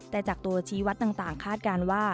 แต่จากตัวชี้วัดต่างคาดการณ์ว่า